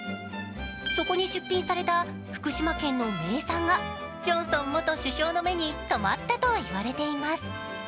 そこに出品された福島県の名産がジョンソン元首相の目に止まったと言われています。